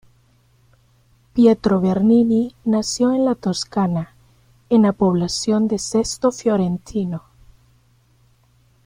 Pietro Bernini nació en la Toscana, en la población de Sesto Fiorentino.